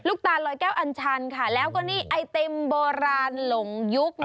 ตาลลอยแก้วอัญชันค่ะแล้วก็นี่ไอติมโบราณหลงยุค